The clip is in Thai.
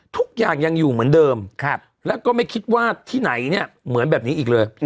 ทุกอย่างยังอยู่เหมือนเดิมแล้วก็ไม่คิดว่าที่ไหนเนี่ยเหมือนแบบนี้อีกเลย